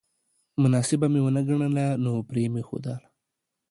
مناسبه مې ونه ګڼله نو پرې مې ښودله